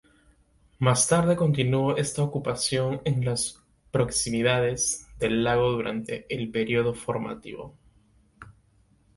Más tarde continuo esta ocupación en las proximidades del lago durante el periodo formativo.